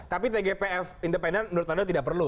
tapi tgpf independen menurut anda tidak perlu